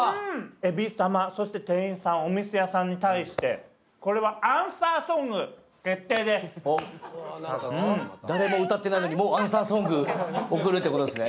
エビ様そして店員さんお店屋さんに対してこれはおっ誰も歌ってないのにもうアンサーソング送るって事ですね？